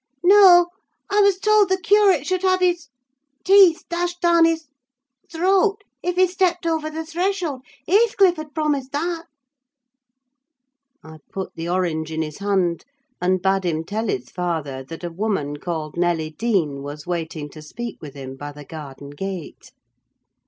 "No, I was told the curate should have his —— teeth dashed down his —— throat, if he stepped over the threshold—Heathcliff had promised that!" I put the orange in his hand, and bade him tell his father that a woman called Nelly Dean was waiting to speak with him, by the garden gate.